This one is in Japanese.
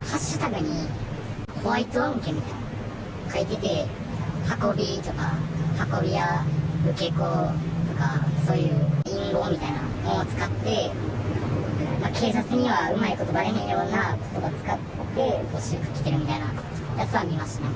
ハッシュタグにホワイト案件みたいなことが書いてて、運びとか、運び屋、受け子とか、そういう隠語みたいなのを使って、警察にはうまいことばれへんようなことばを使って、募集をかけているようなやつは見ました。